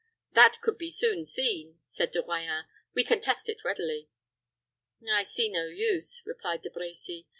"That could be soon seen," said De Royans. "We can test it readily." "I see no use," replied De Brecy.